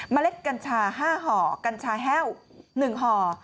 เล็ดกัญชา๕ห่อกัญชาแห้ว๑ห่อ